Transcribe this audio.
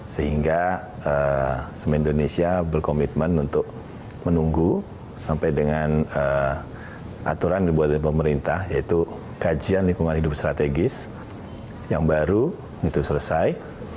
sehingga semen indonesia berkomitmen untuk menunggu sampai dengan aturan yang dibuat oleh pemerintah yaitu kajian lingkungan hidup strategis yang baru itu selesai